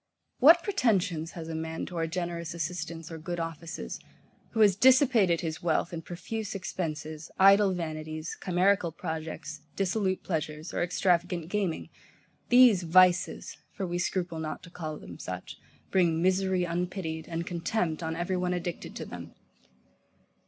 [Footnote: The Art of preserving Health. Book 4] What pretensions has a man to our generous assistance or good offices, who has dissipated his wealth in profuse expenses, idle vanities, chimerical projects, dissolute pleasures or extravagant gaming? These vices (for we scruple not to call them such) bring misery unpitied, and contempt on every one addicted to them.